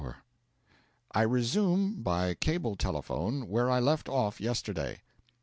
I resume by cable telephone where I left off yesterday.